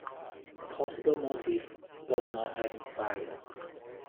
A possible motive was not identified.